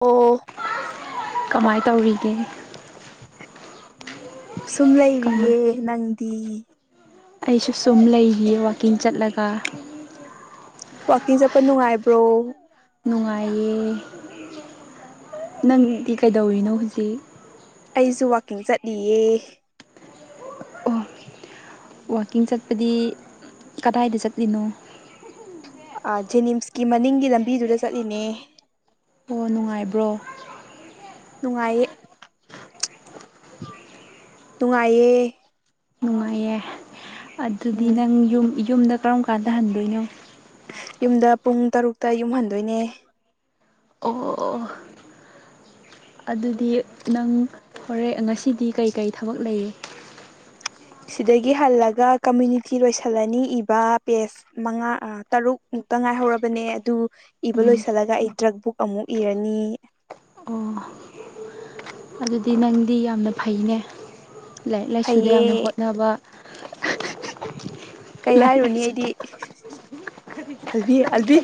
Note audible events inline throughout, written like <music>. ꯑꯣ ꯀꯃꯥꯏ ꯇꯧꯔꯤꯒꯦ ꯁꯨꯝ ꯂꯩꯔꯤꯌꯦ ꯀꯃꯥꯏ ꯅꯪꯗꯤ ꯑꯩꯁꯨ ꯁꯨꯝ ꯂꯩꯔꯤꯌꯦ ꯋꯥꯀꯤꯡ ꯆꯠꯂꯒ ꯋꯥꯀꯤꯡ ꯆꯠꯄ ꯅꯨꯡꯉꯥꯏꯕ꯭ꯔꯣ ꯅꯨꯡꯉꯥꯏꯌꯦ ꯅꯪꯗꯤ ꯀꯩꯗꯧꯔꯤꯅꯣ ꯍꯨꯖꯤꯛ ꯑꯩꯁꯨ ꯋꯥꯛꯀꯤꯡ ꯆꯠꯂꯤꯌꯦ ꯑꯣ ꯋꯥꯀꯤꯡ ꯆꯠꯄꯗꯤ ꯀꯗꯥꯏꯗ ꯆꯠꯂꯤꯅꯣ ꯑ ꯖꯦꯅꯤꯝꯁꯀꯤ ꯃꯅꯤꯡꯒꯤ ꯂꯝꯕꯤꯗꯨꯗ ꯆꯠꯂꯤꯅꯦ ꯑꯣ ꯅꯨꯡꯉꯥꯏꯕ꯭ꯔꯣ ꯅꯨꯡꯉꯥꯏꯌꯦ ꯅꯨꯡꯉꯥꯏꯌꯦ ꯅꯨꯡꯉꯥꯏꯌꯦ ꯑꯗꯨꯗꯤ ꯎꯝ ꯅꯪ ꯌꯨꯝ ꯌꯨꯝꯗ ꯀꯔꯝ ꯀꯥꯟꯗ ꯍꯟꯗꯣꯏꯅꯣ ꯌꯨꯝꯗ ꯄꯨꯡ ꯇꯔꯨꯛꯇ ꯌꯨꯝ ꯍꯟꯗꯣꯏꯅꯦ ꯑꯣ ꯑꯣ ꯑꯗꯨꯗꯤ ꯅꯪ ꯍꯣꯔꯦꯟ ꯉꯁꯤꯗꯤ ꯀꯩꯀꯩ ꯊꯕꯛ ꯂꯩ ꯁꯤꯗꯒꯤ ꯍꯜꯂꯒ ꯀꯝꯃ꯭ꯌꯨꯅꯤꯇꯤ ꯂꯣꯏꯁꯜꯂꯅꯤ ꯏꯕ ꯄꯦꯁ ꯃꯉꯥ ꯑ ꯇꯔꯨꯛ ꯃꯨꯛꯇ ꯉꯥꯏꯍꯧꯔꯕꯅꯦ ꯑꯗꯨ ꯏꯕ ꯎꯝ ꯂꯣꯏꯁꯜꯂꯒ ꯑꯩ ꯗ꯭ꯔꯛ ꯕꯨꯛ ꯑꯃꯨꯛ ꯏꯔꯅꯤ ꯑꯣ ꯑꯗꯨꯗꯤ ꯅꯪꯗꯤ ꯌꯥꯝꯅ ꯐꯩꯅꯦ ꯂꯥꯏꯔꯤꯛ ꯂꯥꯏꯁꯨꯗ ꯌꯥꯝꯅ ꯐꯩꯌꯦ ꯍꯣꯠꯅꯕ ꯀꯩ ꯂꯥꯏꯔꯤꯛ ꯍꯥꯏꯔꯨꯅꯤ ꯂꯥꯏꯁꯨ ꯑꯩꯗꯤ ꯍꯜꯊꯤ ꯑꯜꯗꯤ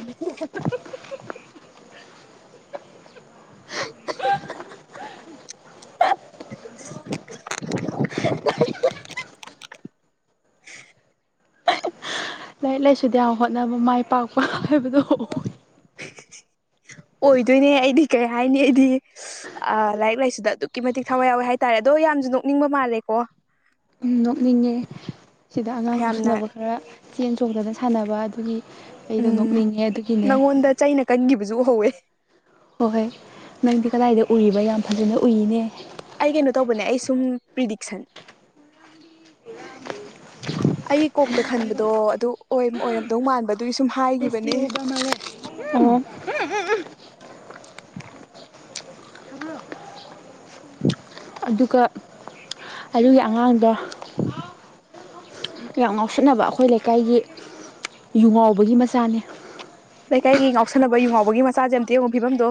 <inaudible> ꯂꯥꯏꯔꯤꯛ ꯂꯥꯏꯁꯨꯗ ꯌꯥꯝ ꯍꯣꯠꯅꯕ ꯃꯥꯏ ꯄꯥꯛꯄ ꯍꯥꯏꯕꯗꯣ ꯑꯣꯏ ꯑꯣꯏꯗꯣꯏꯅꯦ ꯑꯩꯗꯤ ꯀꯩ ꯍꯥꯏꯅꯤ ꯑꯩꯗꯤ ꯑ ꯂꯥꯏꯔꯤꯛ ꯂꯥꯏꯁꯨꯗ ꯑꯗꯨꯛꯀꯤ ꯃꯇꯤꯛ ꯊꯋꯥꯏ ꯌꯥꯎꯋꯦ ꯍꯥꯏꯇꯥꯔꯦ ꯑꯗꯣ ꯌꯥꯝꯖꯨ ꯅꯣꯛꯅꯤꯡꯕ ꯃꯥꯜꯂꯦꯀꯣ ꯎꯝ ꯅꯣꯛꯅꯤꯡꯉꯦ ꯁꯤꯗ ꯑꯉꯥꯡ ꯌꯥꯝꯅ ꯉꯥꯎꯁꯟꯅꯕ ꯈꯔ ꯆꯦꯟ ꯆꯣꯡꯗꯅ ꯁꯥꯟꯅꯕ ꯑꯗꯨꯒꯤ ꯑꯩꯗꯣ ꯎꯝ ꯅꯣꯛꯅꯤꯡꯉꯦ ꯑꯗꯨꯒꯤꯅꯦ ꯅꯪꯉꯣꯟꯗ ꯆꯩꯅ ꯀꯟꯒꯤꯕꯖꯨ ꯎꯍꯧꯋꯦ ꯍꯣꯑꯣꯏ ꯅꯪꯗꯤ ꯀꯗꯥꯏꯗ ꯎꯔꯤꯕ ꯌꯥꯝ ꯐꯖꯅ ꯎꯏꯅꯦ ꯑꯩ ꯀꯩꯅꯣ ꯇꯧꯕꯅꯦ ꯑꯩ ꯁꯨꯝ ꯄ꯭ꯔꯤꯗꯤꯛꯁꯟ ꯑꯩꯒꯤ ꯀꯣꯛꯇ ꯈꯟꯕꯗꯣ ꯑꯗꯨ ꯑꯣꯏꯝ ꯑꯣꯏꯔꯝꯗꯧ ꯃꯥꯟꯕ ꯑꯗꯨꯒꯤ ꯁꯨꯝ ꯍꯥꯏꯒꯤꯕꯅꯦ <unintelligible> <unintelligible> ꯑꯗꯨꯒ ꯑꯗꯨꯒꯤ ꯑꯉꯥꯡꯗꯣ ꯌꯥꯝ ꯉꯥꯎꯁꯤꯟꯅꯕ ꯑꯈꯣꯏ ꯂꯩꯀꯥꯏꯒꯤ ꯌꯨ ꯉꯥꯎꯕꯒꯤ ꯃꯆꯥꯅꯦ ꯂꯩꯀꯥꯏꯒꯤ ꯉꯥꯎꯁꯟꯅꯕ ꯌꯨ ꯉꯥꯎꯕꯒꯤ ꯃꯆꯥꯖꯦ ꯑꯝꯇ ꯌꯦꯉꯉꯣ ꯐꯤꯕꯝꯗꯣ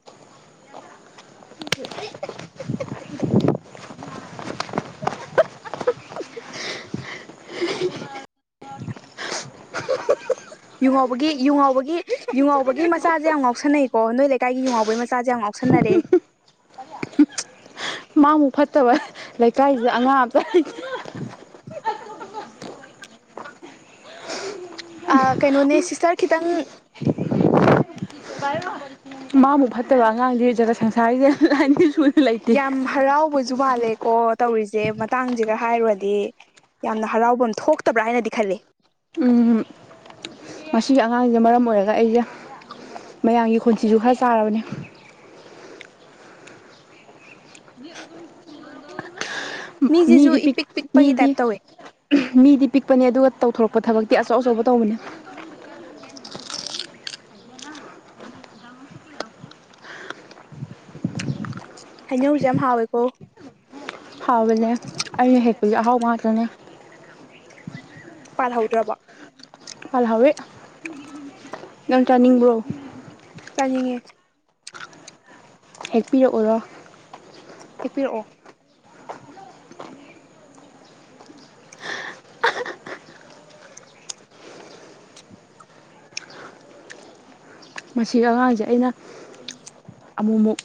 <unintelligible> ꯌꯨꯉꯥꯎꯕꯒꯤ ꯌꯨꯉꯥꯎꯕꯒꯤ ꯌꯨꯉꯥꯎꯕꯒꯤ ꯃꯆꯥꯖꯦ ꯌꯥꯝ ꯉꯥꯎꯁꯟꯅꯩꯀꯣ ꯅꯣꯏ ꯂꯩꯀꯥꯏꯒꯤ ꯌꯨꯉꯥꯎꯕꯩ ꯃꯆꯥꯖꯦ ꯌꯥꯝ ꯉꯥꯎꯁꯟꯅꯔꯦ ꯃꯥꯃꯨꯛ ꯐꯠꯇꯕ ꯂꯩꯀꯥꯏꯖꯤꯗ ꯑꯉꯥꯡ ꯑꯝꯇ ꯂꯩꯇꯦ <inaudible> ꯀꯩꯅꯣꯅꯦ ꯁꯤꯁꯇꯔ ꯈꯤꯇꯪ ꯃꯥꯕꯨ ꯐꯠꯇꯕ ꯑꯉꯥꯡꯗꯤ ꯑꯣꯏꯖꯔ ꯁꯪꯁꯥꯔꯤꯁꯥꯏ ꯌꯥꯝ ꯍꯔꯥꯎꯕꯖ ꯃꯥꯜꯂꯦꯀꯣ ꯇꯧꯔꯤꯁꯦ ꯃꯇꯥꯡꯁꯦꯒ ꯍꯥꯏꯔꯨꯔꯗꯤ ꯌꯥꯝꯅ ꯍꯔꯥꯎꯕ ꯑꯃ ꯊꯣꯛꯇꯕ꯭ꯔꯥ ꯍꯥꯏꯅꯗꯤ ꯈꯜꯂꯤꯦ ꯎꯝ ꯃꯁꯤꯒꯤ ꯑꯉꯥꯡꯁꯤꯅ ꯃꯔꯝ ꯑꯣꯏꯔꯒ ꯑꯩꯁꯦ ꯃꯌꯥꯝꯒꯤ ꯈꯣꯟꯁꯤꯁꯨ ꯈꯔ ꯆꯥꯔꯕꯅꯤ <inaudible> ꯃꯤꯁꯤꯁꯨ ꯃꯤꯗꯤ ꯄꯤꯛ ꯏꯄꯤꯤꯛ ꯄꯤꯛꯄꯒꯤ ꯇꯥꯏꯞ ꯃꯤꯗꯤ ꯇꯧꯋꯦ ꯃꯤꯗꯤ ꯄꯤꯛꯄꯅꯦ ꯑꯗꯨꯒ ꯇꯧꯊꯣꯔꯛꯄ ꯊꯕꯛꯇꯤ ꯑꯆꯧ ꯑꯆꯧꯕ ꯇꯧꯕꯅꯦ ꯍꯩꯅꯧꯁꯦ ꯌꯥꯝ ꯍꯥꯎꯋꯦꯀꯣ ꯍꯥꯎꯕꯅꯦ ꯑꯩꯅ ꯍꯦꯛꯄꯁꯦ ꯑꯍꯥꯎꯕ ꯉꯥꯛꯇꯅꯦ ꯄꯥꯍꯧꯗ꯭ꯔꯔꯕꯣ ꯄꯥꯜꯍꯥꯎꯋꯦ ꯅꯪ ꯆꯥꯅꯤꯡꯕ꯭ꯔꯣ ꯆꯥꯅꯤꯡꯉꯦ ꯍꯦꯛꯄꯤꯔꯛꯎꯔꯣ ꯍꯥꯏ ꯄꯔꯛꯑꯣ ꯃꯁꯤ ꯑꯉꯥꯡꯁꯦ ꯑꯩꯅ ꯑꯃꯨꯛꯃꯨꯛ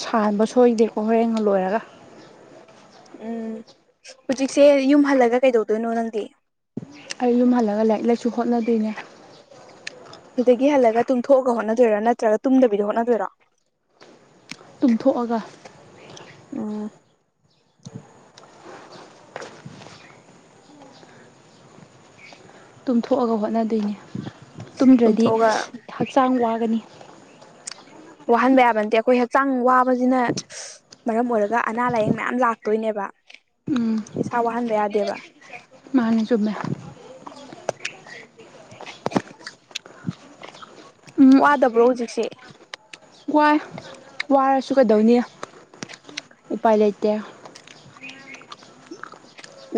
ꯁꯥꯟꯕ ꯁꯣꯏꯗꯦꯀꯣ ꯍꯣꯔꯦꯟ ꯂꯣꯏꯔꯒ ꯎꯝ ꯍꯧꯖꯤꯛꯁꯦ ꯌꯨꯝ ꯍꯜꯂꯒ ꯀꯩꯗꯧꯗꯣꯏꯅꯣ ꯅꯪꯗꯤ ꯑꯩ ꯌꯨꯝ ꯍꯜꯂꯒ ꯂꯥꯏꯔꯤꯛ ꯂꯥꯏꯁꯨ ꯍꯣꯠꯅꯗꯣꯏꯅꯦ ꯑꯗꯨꯗꯒꯤ ꯍꯜꯂꯒ ꯇꯨꯝꯊꯣꯛꯒ ꯍꯣꯠꯅꯗꯣꯏꯔꯣ ꯅꯠꯇ꯭ꯔꯒ ꯇꯨꯝꯗꯕꯤꯗ ꯍꯣꯠꯅꯗꯣꯏꯔꯣ ꯇꯨꯝꯊꯣꯛꯑꯒ ꯎꯝ ꯇꯨꯝꯊꯣꯛꯑꯒ ꯍꯣꯠꯅꯗꯣꯏꯅꯤ ꯇꯨꯝꯗ꯭ꯔꯗꯤ ꯇꯨꯝꯊꯣꯛꯑꯒ ꯍꯛꯆꯥꯡ ꯋꯥꯒꯅꯤ ꯋꯥꯍꯟꯕ ꯌꯥꯕ ꯅꯠꯇꯦ ꯑꯩꯈꯣꯏ ꯍꯛꯆꯥꯡ ꯋꯥꯕꯁꯤꯅ ꯃꯔꯝ ꯑꯣꯏꯔꯒ ꯑꯅꯥ ꯂꯥꯏꯌꯦꯡ ꯃꯌꯥꯝ ꯂꯥꯛꯇꯣꯏꯅꯦꯕ ꯎꯝ ꯏꯁꯥ ꯋꯥꯍꯟꯕ ꯌꯥꯗꯦꯕ ꯀꯅꯤ ꯆꯨꯝꯃꯦ ꯎꯝ ꯋꯥꯗꯕ꯭ꯔꯣ ꯍꯧꯖꯤꯛꯁꯦ ꯋꯥꯏ ꯋꯥꯔꯁꯨ ꯀꯩꯗꯧꯅꯤ ꯎꯄꯥꯏ ꯂꯩꯇꯦ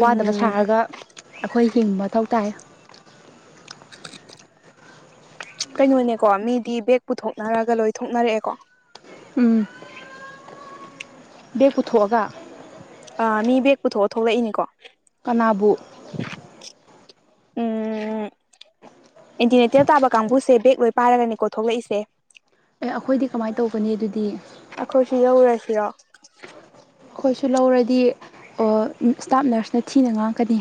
ꯋꯥꯗꯕ ꯎꯝ ꯁꯥꯔꯒ ꯑꯩꯈꯣꯏ ꯍꯤꯡꯕ ꯃꯊꯧ ꯇꯥꯏ ꯀꯩꯅꯣꯅꯦꯀꯣ ꯃꯤꯗꯤ ꯕꯦꯛ ꯄꯨꯊꯣꯛꯅꯔꯒ ꯂꯣꯏ ꯊꯣꯛꯅꯔꯛꯑꯦꯀꯣ ꯎꯝ ꯦꯛ ꯄꯨꯊꯣꯛꯑꯒ ꯃꯤ ꯕꯦꯛ ꯄꯨꯊꯣꯛꯑ ꯊꯣꯛꯂꯛꯏꯅꯤꯀꯣ ꯀꯅꯥꯕꯨ ꯎꯝ ꯑꯦꯟꯇꯤꯅꯦꯇꯔ ꯇꯥꯕ ꯀꯥꯡꯕꯨꯁꯦ ꯕꯦꯛ ꯂꯣꯏ ꯄꯥꯏꯔꯒꯅꯤꯀꯣ ꯊꯣꯛꯂꯛꯏꯁꯦ ꯑꯦ ꯑꯩꯈꯣꯏꯗꯤ ꯀꯃꯥꯏꯅ ꯇꯧꯕꯅꯤ ꯑꯗꯨꯗꯤ ꯑꯩꯈꯣꯏꯁꯨ ꯌꯧꯔꯁꯤꯔꯣ ꯑꯩꯈꯣꯏꯁꯨ ꯂꯧꯔꯗꯤ ꯏꯁ꯭ꯇꯥꯞ ꯅꯔꯁꯅ ꯊꯤꯅ ꯉꯥꯡꯀꯅꯤ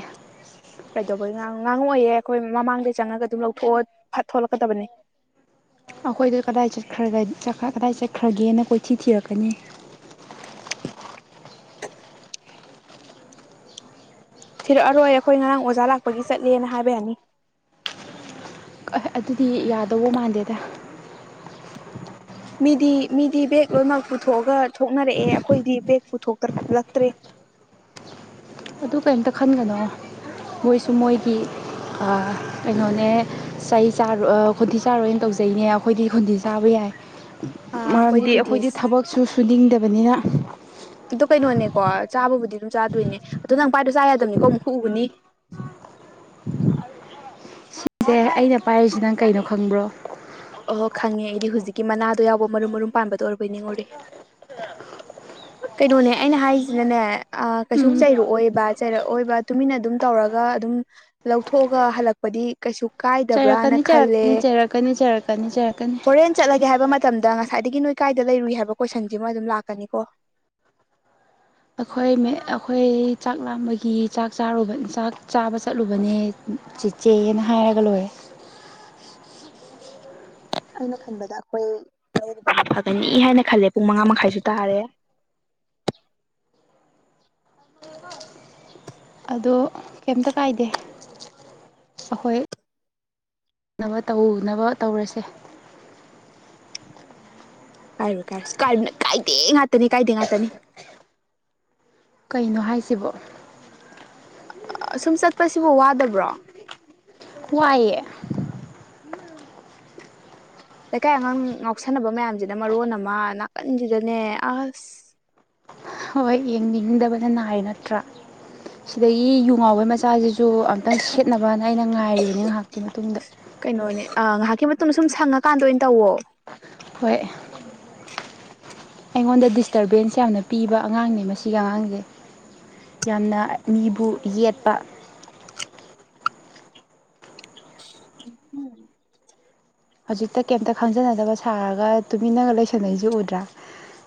ꯀꯩꯗꯧꯕꯩ ꯉꯥꯡꯉꯏꯌꯦ ꯑꯩꯈꯣꯏ ꯃꯃꯥꯡꯗꯩ ꯆꯪꯉꯒ ꯑꯗꯨꯝ ꯂꯧꯊꯣꯛꯑꯣ ꯐꯠ ꯊꯣꯛꯣꯂꯛꯀꯗꯕꯅꯤ ꯑꯩꯈꯣꯏꯗ ꯀꯗꯥꯏ ꯀꯗꯥꯏ ꯆꯠꯈ꯭ꯔꯒꯦꯅ ꯀꯣꯏꯊꯤ ꯊꯤꯔꯛꯀꯅꯤ ꯊꯤꯔꯛꯑꯔꯣꯏ ꯑꯩꯈꯣꯏ ꯉꯔꯥꯡ ꯑꯣꯖꯥ ꯂꯥꯛꯄꯒꯤ ꯆꯠꯂꯦꯅ ꯍꯥꯏꯕ ꯌꯥꯅꯤ ꯍ ꯑꯗꯨꯗꯤ ꯌꯥꯗꯧꯕ ꯃꯥꯟꯗꯦꯗ ꯃꯤꯗꯤ ꯃꯤꯗꯤ ꯕꯦꯒ ꯂꯣꯏꯅꯃꯛ ꯄꯨꯊꯣꯛꯑꯒ ꯊꯣꯛꯅꯔꯛꯑꯦ ꯑꯩꯈꯣꯏꯗꯤ ꯕꯦꯒ ꯄꯨꯊꯣꯛꯇꯂꯛꯇ꯭ꯔꯦ ꯑꯗꯨ ꯀꯔꯤꯝꯇ ꯈꯟꯒꯅꯣ ꯃꯣꯏꯁꯨ ꯃꯣꯏꯒꯤ ꯀꯩꯅꯣꯅꯦ ꯆꯍꯤ ꯆꯥꯔ ꯈꯨꯣꯟꯗꯤ ꯆꯥꯔꯣꯏꯅ ꯇꯧꯖꯩꯅꯦ ꯑꯩꯈꯣꯏꯗꯤꯗꯤ ꯆꯥꯕ ꯌꯥꯏ ꯑ ꯃꯔꯝꯗꯤ ꯈꯣꯟꯊꯤ ꯑꯩꯈꯣꯏꯗꯤ ꯊꯕꯛꯁꯨ ꯁꯨꯅꯤꯡꯗꯕꯅꯤꯅ ꯑꯗꯨ ꯀꯩꯅꯣꯅꯦꯀꯣ ꯆꯥꯕꯕꯨꯗꯤ ꯑꯗꯨꯝ ꯆꯥꯗꯣꯏꯅꯦ ꯑꯣ ꯅꯪ ꯄꯥꯏꯗꯣ ꯆꯥ ꯌꯥꯗꯕꯅꯤꯀꯣ ꯑꯃꯨꯛ ꯈꯨ ꯎꯕꯅꯤ ꯑꯦ ꯑꯩꯅ ꯄꯥꯏꯔꯤꯁꯤ ꯅꯪ ꯀꯩꯅꯣ ꯈꯪꯕ꯭ꯔꯣ ꯑꯍꯣ ꯈꯪꯉꯦ ꯑꯩꯗꯤ ꯍꯧꯖꯤꯛꯀꯤ ꯃꯅꯥꯗꯣ ꯌꯥꯎꯕ ꯃꯔꯨꯝ ꯃꯔꯨꯝ ꯄꯥꯟꯕꯗꯣ ꯑꯣꯏꯔꯕ ꯅꯤꯡꯉꯨꯔꯦ ꯀꯩꯅꯣꯅꯦ ꯑꯩꯅ ꯍꯥꯏꯁꯤꯅꯅꯦ ꯀꯩꯁꯨ ꯎꯝ ꯆꯩꯔꯛꯑꯣꯏꯕ ꯆꯩꯔꯛꯑꯣꯏꯕ ꯇꯨꯃꯤꯟꯅ ꯑꯗꯨꯝ ꯇꯧꯔꯒ ꯑꯗꯨꯝ ꯂꯧꯊꯣꯛꯑꯒ ꯍꯜꯂꯛꯄꯗꯤ ꯀꯩꯁꯨ ꯀꯥꯏꯗꯕ꯭ꯔꯥꯅ ꯈꯜꯂꯦ ꯀꯟꯅꯖꯔꯛꯀꯅꯤꯖꯔꯛꯀꯅꯤ ꯇ꯭ꯔꯦꯟ ꯆꯠꯂꯒꯦ ꯍꯥꯏꯕ ꯃꯇꯝꯗ ꯉꯁꯥꯏꯗꯒꯤ ꯅꯣꯏ ꯀꯥꯏꯗ ꯂꯩꯔꯨꯏ ꯍꯥꯏꯕ ꯀꯣꯏꯁꯟꯁꯤꯃ ꯑꯗꯨꯝ ꯂꯥꯛꯀꯅꯤ ꯀꯣ ꯑꯩꯈꯣꯏ ꯑꯩꯈꯣꯏ ꯆꯥꯛ ꯂꯥꯡꯝꯕꯒꯤ ꯆꯥꯛ ꯆꯥꯔꯨꯕ ꯆꯥꯛ ꯆꯥꯕ ꯆꯠꯂꯨꯕꯅꯦ ꯆꯤꯆꯦꯑꯅ ꯍꯥꯏꯔꯒ ꯂꯣꯏꯔꯦ ꯑꯩꯅ ꯈꯟꯕꯗ ꯑꯩꯈꯣꯏ ꯂꯩꯗꯤ ꯐꯒꯅꯤ ꯍꯥꯏꯅ ꯈꯜꯂꯦ ꯄꯨꯡ ꯃꯉꯥ ꯃꯈꯥꯏꯁꯨ ꯇꯥꯔꯦ ꯑꯗꯣ ꯀꯩꯝꯇ ꯀꯥꯏꯗꯦ ꯑꯩꯈꯣꯏꯅꯕ ꯇꯧꯅꯕ ꯇꯧꯔꯁꯦ ꯀꯥꯏꯔꯣꯏ ꯀꯥꯏꯔꯣꯏꯁꯤ ꯀꯥꯏꯔꯤꯕꯅꯤꯅ ꯀꯥꯏꯗꯦ ꯉꯥꯛꯇꯅꯤ ꯀꯥꯏꯗꯦ ꯉꯥꯛꯇꯅꯤ ꯀꯩꯅꯣ ꯍꯥꯏꯁꯤꯕꯣ ꯁꯨꯝ ꯆꯠꯄꯁꯤꯕꯨ ꯋꯥꯗꯕ꯭ꯔꯣ ꯋꯥꯋꯥꯏꯌꯦ ꯂꯩꯀꯥꯏ ꯑꯉꯥꯡ ꯉꯥꯎꯁꯟꯅꯕ ꯃꯌꯥꯝꯁꯤꯅ ꯃꯔꯣꯟ ꯑꯃ ꯅꯥꯀꯟꯁꯤꯗꯅꯦ ꯑꯁ ꯍꯣꯏ ꯌꯦꯡꯅꯤꯡꯗꯕꯅ ꯅꯥꯏ ꯅꯠꯇ꯭ꯔꯥ ꯁꯤꯗꯒꯤ ꯌꯨ ꯉꯥꯎꯕꯩ ꯃꯆꯥꯁꯤꯁꯨ ꯑꯝꯇꯪ ꯁꯦꯠꯅꯕꯅ ꯑꯩꯅ ꯉꯥꯏꯔꯤꯕꯅꯦ ꯉꯥꯏꯍꯥꯛꯀꯤ ꯃꯇꯨꯡꯗ ꯀꯩꯅꯣꯅꯦ ꯉꯥꯏꯍꯥꯛꯀꯤ ꯃꯇꯨꯡꯗ ꯁꯨꯝ ꯁꯪꯉꯀꯥꯟꯗ ꯑꯣꯏꯅ ꯇꯧꯋꯣ ꯍꯣꯏ ꯑꯩꯉꯣꯟꯗ ꯗꯤꯁꯇꯔꯕꯦꯟꯁ ꯌꯥꯝꯅ ꯄꯤꯕ ꯑꯉꯥꯡꯅꯦ ꯃꯁꯤꯒꯤ ꯑꯉꯥꯡꯁꯦ ꯌꯥꯝꯅ ꯃꯤꯕꯨ ꯌꯦꯠꯄ ꯍꯧꯖꯤꯛꯇ ꯀꯩꯝꯇ ꯈꯪꯖꯅꯗꯕ ꯁꯥꯔꯒ ꯇꯨꯃꯤꯟꯅꯒ ꯂꯩꯁꯟꯅꯩꯁꯤ ꯎꯗ꯭ꯔꯥ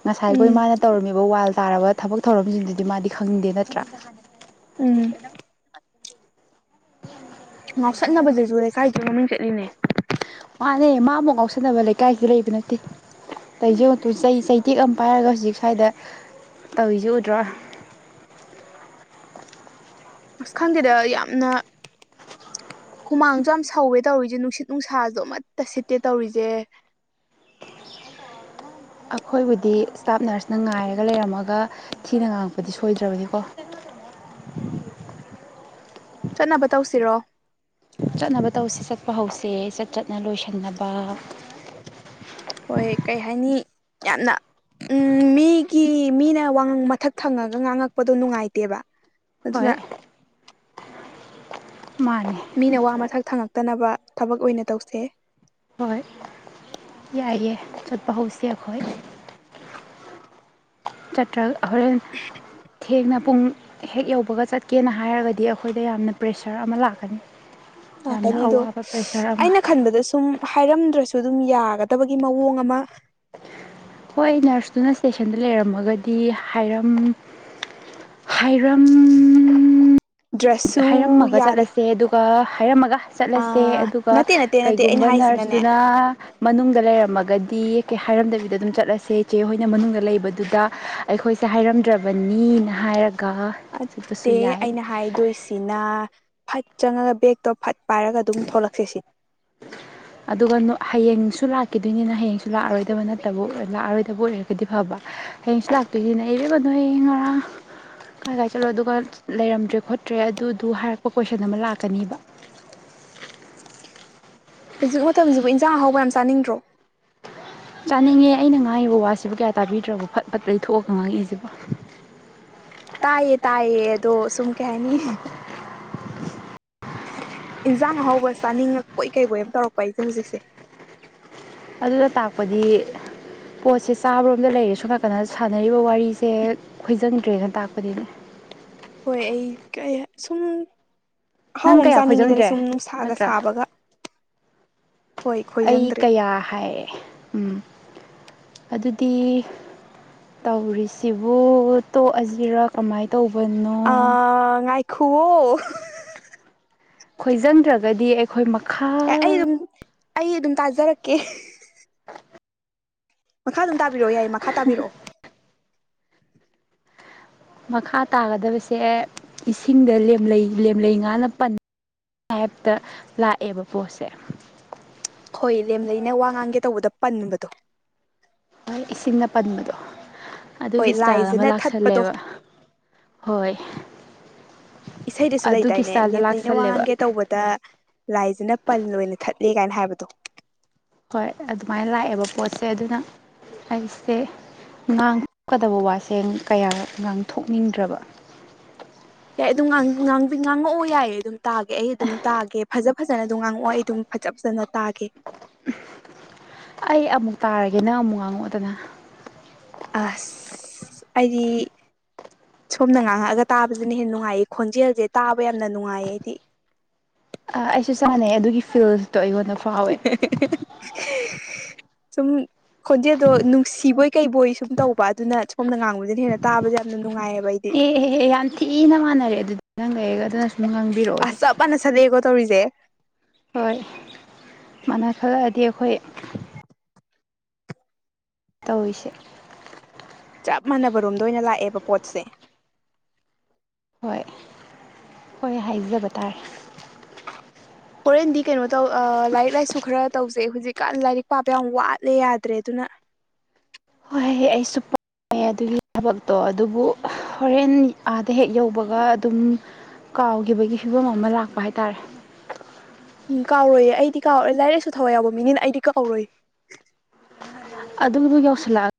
ꯉꯁꯥꯏꯈꯣꯏ ꯎꯝ ꯃꯥꯅ ꯇꯧꯔꯝꯃꯤꯕ ꯋꯥꯜ ꯇꯥꯔꯕ ꯊꯕꯛ ꯊꯧꯔꯝꯁꯤꯡꯁꯤꯗꯤ ꯃꯥꯗꯤ ꯈꯪꯗꯦ ꯅꯠꯇ꯭ꯔꯥ ꯀ ꯍꯥꯏꯗ ꯉꯥꯎꯁꯟꯅꯅꯕꯗꯁꯨ ꯂꯩꯀꯥꯏꯁꯨ ꯃꯃꯤꯡ ꯆꯠꯂꯤꯅꯦ ꯃꯥꯅꯦ ꯃꯥ ꯑꯃꯨꯛ ꯉꯥꯎꯁꯟꯅꯕ ꯂꯩꯀꯥꯏꯁꯨ ꯂꯩꯕ ꯅꯠꯇꯦ ꯇꯖꯦꯡꯇꯨ ꯆꯩ ꯆꯩ ꯇꯦꯛ ꯑꯃ ꯄꯥꯏꯔꯒ ꯍꯧꯖꯤꯛ ꯁ꯭ꯋꯥꯏꯗ ꯇꯧꯔꯤꯁꯦ ꯎꯗ꯭ꯔꯣ ꯑꯁ ꯈꯪꯗꯦ ꯗ ꯌꯥꯝꯅ ꯍꯨꯃꯥꯡꯁꯨ ꯌꯥꯝ ꯁꯧꯋꯦ ꯇꯧꯔꯤꯁꯦ ꯅꯨꯡꯁꯤꯠ ꯅꯨꯡꯁꯥꯁꯨ ꯑꯃꯠꯇ ꯁꯤꯠꯇꯦ ꯇꯧꯔꯤꯁꯦ ꯑꯩꯈꯣꯏꯕꯨꯗꯤ ꯏꯁꯇꯥꯞ ꯅꯔꯁꯅ ꯉꯥꯏꯔꯒ ꯂꯩꯔꯝꯃꯒ ꯊꯤꯅ ꯉꯥꯡꯉꯛꯄꯗꯤ ꯁꯣꯏꯗ꯭ꯔꯕꯅꯤꯀꯣ ꯆꯠꯅꯕ ꯇꯧꯁꯤꯔꯣ ꯆꯠꯅꯕ ꯇꯧꯁꯤ ꯆꯠꯄ ꯍꯧꯁꯦ ꯆꯠ ꯆꯠꯅ ꯂꯣꯏꯁꯟꯅꯕ ꯍꯣꯏ ꯀꯩ ꯍꯥꯏꯅꯤ ꯌꯥꯝꯅ ꯎꯝ ꯃꯤꯒꯤ ꯃꯤꯅ ꯋꯥꯉꯪ ꯃꯊꯛ ꯊꯪꯉꯒ ꯉꯥꯡꯉꯛꯄꯗꯣ ꯅꯨꯡꯉꯥꯏꯇꯦꯕ ꯑꯗꯨ ꯅ ꯍꯣꯏ ꯃꯥꯅꯤ ꯃꯤꯅ ꯋꯥ ꯃꯊꯛ ꯊꯪꯉꯛꯇꯅꯕ ꯊꯕꯛ ꯑꯣꯏꯅ ꯇꯧꯁꯦ ꯍꯣꯏ ꯌꯥꯏꯑ ꯆꯠꯄ ꯍꯧꯁꯤ ꯑꯩꯈꯣꯏ ꯆꯠꯇ꯭ꯔꯒ ꯍꯣꯔꯦꯟ ꯊꯦꯡꯅ ꯄꯨꯡ ꯍꯦꯛ ꯌꯧꯕꯒ ꯆꯠꯀꯦꯅ ꯍꯥꯏꯔꯒꯗꯤ ꯑꯩꯈꯣꯏꯗ ꯌꯥꯝꯅ ꯄ꯭ꯔꯦꯁꯔ ꯑꯃ ꯂꯥꯛꯀꯅꯤ ꯂꯥꯛꯀꯅꯤ ꯌꯥꯝꯅ ꯑꯗꯣ ꯑꯋꯥꯕ ꯄ꯭ꯔꯦꯁꯔ ꯑꯃ ꯑꯩꯅ ꯈꯟꯕꯗ ꯁꯨꯝ ꯍꯥꯏꯔꯝꯗ꯭ꯔꯁꯨ ꯑꯗꯨꯝ ꯌꯥꯒꯗꯕꯒꯤ ꯃꯑꯣꯡ ꯑꯃ ꯍꯣꯏ ꯅꯔꯁꯇꯨꯅ ꯏꯁꯇꯦꯁꯟꯗ ꯂꯩꯔꯝꯃꯒꯗꯤ ꯍꯥꯏꯔꯝ ꯍꯥꯏꯔꯝ ꯗ꯭ꯔꯁꯁꯨ ꯍꯥꯏꯔꯝꯃꯒ ꯌꯥꯔꯦ ꯆꯠꯂꯁꯦ ꯑꯗꯨꯒ ꯍꯥꯏꯔꯝꯃꯒ ꯑ ꯆꯠꯂꯁꯦ ꯑꯗꯨꯒ ꯅꯠꯇꯦ ꯅꯠꯇꯦ ꯅꯠꯇꯦ ꯑꯩꯅ ꯀꯩꯒꯨꯝꯕ ꯍꯥꯏꯁꯤꯅꯅꯦ ꯅꯔꯁꯇꯨꯅ ꯃꯅꯨꯡꯗ ꯂꯩꯔꯝꯃꯒꯗꯤ ꯀꯩ ꯍꯥꯏꯔꯝꯗꯕꯤꯗ ꯑꯗꯨꯝ ꯆꯠꯂꯁꯦ ꯏꯆꯦ ꯍꯣꯏꯅ ꯃꯅꯨꯡꯗ ꯂꯩꯕꯗꯨꯗ ꯑꯩꯈꯣꯏꯁꯦ ꯍꯥꯏꯔꯝꯗ꯭ꯔꯕꯅꯤꯅ ꯍꯥꯏꯔꯒ ꯆꯠꯄꯁꯨ ꯑꯠꯇꯦ ꯌꯥꯏ ꯑꯩꯅ ꯍꯥꯏꯗꯣꯏꯁꯤꯅ ꯐꯠ ꯆꯪꯉꯒ ꯕꯦꯛꯇꯣ ꯐꯠ ꯄꯥꯏꯔꯒ ꯑꯗꯨꯝ ꯊꯣꯛꯂꯛꯁꯦ ꯁꯤ ꯑꯗꯨꯒ ꯍꯌꯦꯡꯁꯨ ꯂꯥꯛꯈꯤꯗꯣꯏꯅꯤꯅ ꯍꯌꯦꯡꯁꯨ ꯂꯥꯛꯑꯔꯣꯏꯗꯕ ꯅꯠꯇꯕꯕꯨ ꯂꯥꯛꯑꯔꯣꯏꯗꯕꯨ ꯑꯣꯏꯔ ꯀꯗꯤ ꯐꯕ ꯍꯌꯦꯡ ꯁꯤ ꯂꯥꯛꯇꯣꯏꯁꯤꯅꯦ ꯏꯔꯦꯝꯕꯗꯣ ꯍꯌꯦꯡ ꯉꯔꯥꯡ ꯀꯥꯏ ꯀꯥꯏ ꯆꯠꯂꯣ ꯑꯗꯨꯒ ꯂꯩꯔꯝꯗ꯭ꯔꯦ ꯈꯣꯠꯇ꯭ꯔꯦ ꯑꯗꯨꯗꯨ ꯍꯥꯏꯔꯛꯄ ꯀꯣꯏꯁꯟ ꯑꯃ ꯂꯥꯛꯀꯅꯦꯕ ꯍꯧꯖꯤꯛ ꯃꯇꯝꯁꯤꯕꯨ ꯏꯟꯖꯥꯡ ꯑꯍꯥꯎꯕ ꯌꯥꯝ ꯆꯥꯅꯤꯡꯗ꯭ꯔꯣ ꯆꯥꯅꯤꯡꯉꯦ ꯑꯩꯅ ꯉꯥꯡꯉꯤꯕ ꯋꯥꯁꯤꯕꯨ ꯀꯌꯥ ꯇꯥꯕꯤꯗ꯭ꯔꯕꯣ ꯐꯠ ꯐꯠ ꯂꯩꯊ ꯊꯣꯛꯑꯒ ꯉꯥꯡꯉꯛꯏꯁꯤꯕꯣ ꯇꯥꯏꯌꯦ ꯇꯥꯏꯌꯦ ꯑꯗꯣ ꯁꯨꯝ ꯀꯩ ꯍꯥꯏꯅꯤ ꯏꯟꯁꯥꯡ ꯑꯍꯥꯎꯧꯕ ꯆꯥꯅꯤꯡꯉꯛꯄꯣꯏ ꯀꯩꯕꯣꯏ ꯑ ꯑꯃ ꯇꯧꯔꯛꯄ ꯑꯩꯁꯦ ꯍꯧꯖꯤꯛꯁꯦ ꯑꯗꯨꯅꯥ ꯇꯥꯛꯄꯗꯤ ꯄꯣꯠꯁꯦ ꯆꯥꯕꯔꯣꯝꯗ ꯂꯩꯔꯦ ꯁꯣꯝ ꯅꯥꯀꯟꯗ ꯁꯥꯟꯅꯔꯤꯕ ꯋꯥꯔꯤꯁꯦ ꯈꯣꯏꯖꯟꯗ꯭ꯔꯦꯅ ꯇꯥꯛꯄꯗꯤꯅꯦ ꯍꯣꯏ ꯑꯩ ꯁꯨꯝ ꯑꯍꯥꯎ ꯅꯪ ꯑꯃ ꯀꯌꯥ ꯆꯥꯅꯤꯡꯉꯤꯗꯅ ꯈꯣꯏꯖꯪꯗ꯭ꯔꯦ ꯁꯨꯝ ꯅꯨꯡꯁꯥꯒ ꯅꯠꯇ꯭ꯔꯥ ꯁꯥꯕꯒ ꯍꯣꯏ ꯑꯩ ꯈꯣꯏꯖꯪꯗ꯭ꯔꯦ ꯀꯌꯥ ꯍꯥꯏꯑ ꯎꯝ ꯑꯗꯨꯗꯤ ꯇꯧꯔꯤꯁꯤꯕꯨ ꯇꯣꯛꯑꯁꯤꯔ ꯀꯃꯥꯏꯅ ꯇꯧꯕꯅꯣ ꯑ ꯉꯥꯏꯈꯣ ꯑꯣ ꯈꯣꯏꯖꯪꯗ꯭ꯔꯒꯗꯤ ꯑꯩꯈꯣꯏ ꯃꯈꯥ ꯑꯦ ꯑꯩ ꯑꯗꯨꯝ ꯑꯩ ꯑꯗꯨꯝ ꯇꯥꯖꯔꯛꯀꯦ ꯃꯈꯥ ꯑꯗꯨꯝ ꯇꯥꯕꯤꯔꯛꯑꯣ ꯌꯥꯏ ꯃꯈꯥ ꯇꯥꯕꯤꯔꯛꯑꯣ ꯃꯈꯥ ꯇꯥꯒꯗꯕꯁꯦ ꯏꯁꯤꯡꯗ ꯂꯦꯝꯂꯩ ꯂꯦꯝꯂꯩ ꯉꯥꯅ ꯄꯟ ꯍꯥꯏꯍꯦꯇ ꯂꯥꯛꯑꯦꯕ ꯄꯣꯠꯁꯦ ꯍꯣꯏ ꯂꯦꯝ ꯂꯩꯩꯅ ꯋꯥ ꯉꯥꯡꯒꯦ ꯇꯧꯕꯗ ꯄꯟꯕꯗꯣ ꯍꯣꯏ ꯏꯁꯤꯡꯅ ꯄꯟꯕꯗꯣ ꯑꯗꯨꯒꯤ ꯍꯣꯏ ꯏꯁꯇꯥꯏꯜ ꯑꯃ ꯂꯥꯏꯖꯅ ꯊꯠꯄꯗꯣ ꯂꯥꯛꯁꯜꯂꯦꯕ ꯍꯣꯏ ꯏꯁꯩꯗꯁꯨ ꯑꯗꯨꯒꯤ ꯂꯩꯗꯥꯏꯅꯦ ꯂꯦꯝ ꯏꯁꯇꯥꯏꯜꯗ ꯂꯩꯩꯅ ꯂꯥꯛꯁꯜꯂꯦꯕ ꯋꯥꯡꯒꯦ ꯇꯧꯕꯗ ꯂꯥꯏꯁꯤꯅ ꯄꯟ ꯑꯣꯏꯅ ꯊꯠꯂꯦ ꯀꯥꯏꯅ ꯍꯥꯏꯕꯗꯣ ꯍꯣꯏ ꯑꯗꯨꯃꯥꯏꯅ ꯂꯥꯛꯑꯦꯕ ꯄꯣꯠꯁꯦ ꯑꯗꯨꯅ ꯑꯩꯁꯦ ꯉꯥꯡꯊꯣꯛꯀꯗꯕ ꯋꯥꯁꯦ ꯀꯌꯥ ꯉꯥꯡꯊꯣꯛꯅꯤꯡꯗ꯭ꯔꯕ ꯌꯥꯏ ꯑꯗꯨꯝ ꯉꯥꯡꯉꯛꯑꯣ ꯌꯥꯏꯌꯦ ꯑꯗꯨꯝ ꯇꯥꯒꯦ ꯑꯩ ꯑꯗꯨꯝ ꯇꯥꯒꯦ ꯐꯖ ꯐꯖꯅ ꯑꯗꯨꯝ ꯉꯥꯡꯉꯛꯑꯣ ꯑꯩ ꯑꯗꯨꯝ ꯐꯖ ꯐꯖꯅ ꯇꯥꯒꯦ ꯑꯩ ꯑꯃꯨꯛ ꯇꯥꯔꯒꯦ ꯅꯪ ꯑꯃꯨꯛ ꯉꯥꯡꯉꯛꯑꯣꯗꯅ ꯑ ꯍꯥꯏꯗꯤ ꯁꯣꯝꯅ ꯉꯥꯡꯉꯛꯑꯒ ꯇꯥꯕꯁꯤꯅ ꯍꯦꯟꯅ ꯅꯨꯡꯉꯥꯏꯌꯦ ꯈꯣꯟꯖꯦꯜꯁꯦ ꯇꯥꯕ ꯌꯥꯝꯅ ꯅꯨꯡꯉꯥꯏꯌꯦ ꯍꯥꯏꯗꯤ ꯑꯩꯁꯨ ꯆꯥꯅꯩ ꯑꯗꯨꯒꯤ ꯐꯤꯜꯇꯣ ꯑꯩꯉꯣꯟꯗ ꯐꯥꯎꯋꯦ ꯁꯨꯝ ꯈꯣꯟꯖꯦꯜꯗꯣ ꯅꯨꯡꯁꯤꯕꯣꯏ ꯀꯩꯕꯣꯏ ꯁꯨꯝ ꯇꯧꯕ ꯑꯗꯨꯅ ꯁꯣꯝꯅ ꯉꯥꯡꯕꯗꯅ ꯍꯦꯟꯅ ꯇꯥꯕꯁꯦ ꯌꯥꯝꯅ ꯅꯨꯡꯉꯥꯏꯌꯦꯕ ꯑꯩ ꯑꯦꯍꯦꯦ ꯌꯥꯝ ꯊꯤꯅ ꯃꯥꯟꯅꯔꯦ ꯑꯗꯨꯗꯤ ꯅꯪ ꯂꯩꯩꯑꯒ ꯑꯗꯨꯅ ꯁꯨꯝ ꯉꯥꯡꯕꯤꯔꯛꯑꯣ ꯑꯗꯨꯣ ꯆꯄꯥꯥꯟ ꯅꯁꯗꯦꯀꯣ ꯇꯧꯔꯤꯁꯦ ꯍꯣꯏ ꯃꯅꯥ ꯈꯜꯂꯛꯑꯗꯤ ꯑꯩꯈꯣꯏ ꯇꯧꯔꯤꯁꯦ ꯆꯞ ꯃꯥꯟꯅꯕ ꯔꯣꯝꯗ ꯑꯣꯏꯅ ꯂꯥꯛꯑꯦꯕ ꯄꯣꯠꯁꯦ ꯍꯣꯏ ꯍꯣꯏ ꯍꯥꯏꯖꯕ ꯇꯥꯔꯦ ꯍꯣꯔꯦꯟꯗꯤ ꯀꯩꯅꯣ ꯇꯧ ꯂꯥꯏꯔꯤꯛ ꯂꯥꯏꯁꯨ ꯈꯔ ꯇꯧꯖꯩ ꯍꯧꯖꯤꯛꯀꯥꯟ ꯂꯥꯏꯔꯤꯛ ꯄꯥꯕ ꯌꯥꯝ ꯋꯥꯠꯂꯦ ꯌꯥꯗ꯭ꯔꯦ ꯑꯗꯨꯅ ꯍꯣꯏ ꯍꯣꯏ ꯍꯦ ꯑꯩꯁꯨ ꯄ ꯑꯗꯨꯒꯤ ꯊꯕꯛꯇꯣ ꯑꯗꯨꯕꯨ ꯍꯣꯔꯦꯟ ꯑꯥꯗ ꯍꯦꯛ ꯌꯧꯕꯒ ꯑꯗꯨꯝ ꯀꯥꯎꯈꯤꯕꯒꯤ ꯐꯤꯕꯝ ꯑꯃ ꯂꯥꯛꯄ ꯍꯥꯏꯇꯥꯔꯦ ꯎꯝ ꯀꯥꯎꯔꯣꯏꯌꯦꯦ ꯑꯩꯗꯤ ꯀꯥꯎꯔꯣꯏꯦ ꯂꯥꯏꯔꯤꯛ ꯂꯥꯏꯁꯨ ꯊꯋꯥ ꯌꯥꯎꯕ ꯃꯤꯅꯤꯅ ꯑꯩꯗꯤ ꯀꯥꯎꯔꯣꯏꯌꯦ ꯑꯗꯨꯕꯨ ꯌꯧꯁꯤꯜꯂꯛꯑꯒ